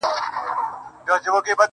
خدايه ښامار د لمر رڼا باندې راوښويدی~